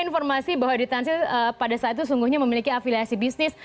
informasi bahwa ditansil pada saat itu sungguhnya memiliki afiliasi bisnis